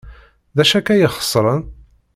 D acu akka ay ixeṣren?